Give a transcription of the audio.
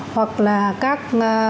hoặc là các